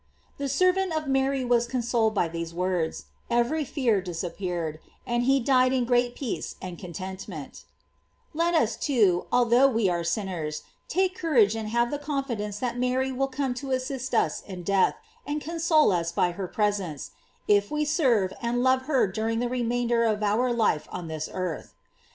"* The servant of Mary was consoled by these words, every fear disappeared, and he died in great peace and contentment. Let us, too, although we are sinners, take courage and have the confidence that Mary will come to assist us in death, and console us by * Adolphe mi cariMime, inori cur time*, meus com gitf 110 GLORIES OF MARY. her presence, if we serve and love her during the remainder of our life on this earth.